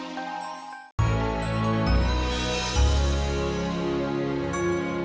sampai jumpa lagi